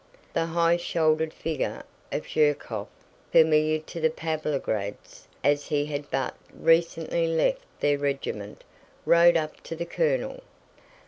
The high shouldered figure of Zherkóv, familiar to the Pávlograds as he had but recently left their regiment, rode up to the colonel.